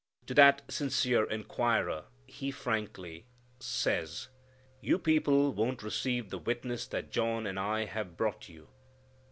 To that sincere inquirer, He frankly Jays, "You people won't receive the witness that John and I have brought you."